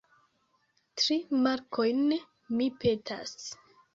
Tri markojn, mi petas.